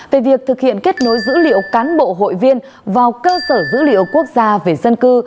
về việc thực hiện kết nối dữ liệu cán bộ hội viên vào cơ sở dữ liệu quốc gia về dân cư